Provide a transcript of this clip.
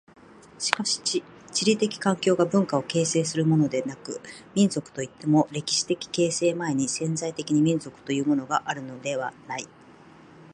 しかし地理的環境が文化を形成するのでもなく、民族といっても歴史的形成前に潜在的に民族というものがあるのではない。